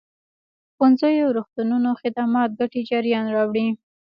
ښوونځيو روغتونونو خدمات ګټې جريان راوړي.